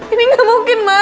ini gak mungkin ma